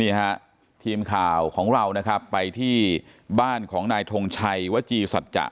ฮะทีมข่าวของเรานะครับไปที่บ้านของนายทงชัยวจีสัจจะ